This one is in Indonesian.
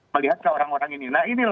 melihat ke orang orang ini